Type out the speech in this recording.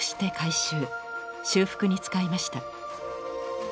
修復に使いました。